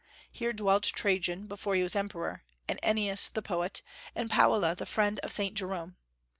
Here dwelt Trajan before he was emperor, and Ennius the poet, and Paula the friend of Saint Jerome.